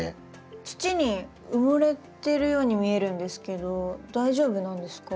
土に埋もれてるように見えるんですけど大丈夫なんですか？